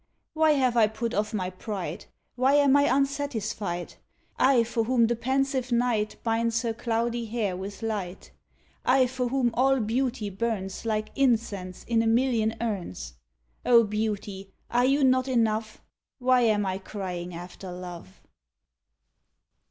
Why have I put off my pride, Why am I unsatisfied, I, for whom the pensive night Binds her cloudy hair with light, I, for whom all beauty burns Like incense in a million urns? O beauty, are you not enough? Why am I crying after love?